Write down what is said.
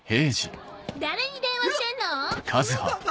誰に電話してんのん？